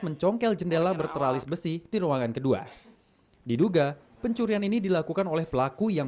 mencongkel jendela berteralis besi di ruangan kedua diduga pencurian ini dilakukan oleh pelaku yang